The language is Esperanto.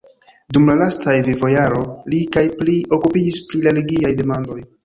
Dum la lastaj vivojaro li pli kaj pli okupiĝis pri relgiaj demandoj.